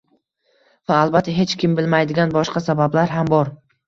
Va albatta hech kim bilmaydigan boshqa sabablar ham bor